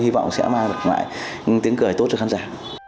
hy vọng sẽ mang lại tiếng cười tốt cho khán giả